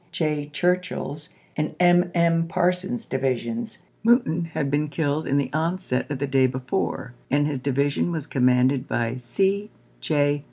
J. Churchill's and M. M. Parsons's divisions ; Mouton had been killed in the onset of the day before, and his division was commanded by C. J.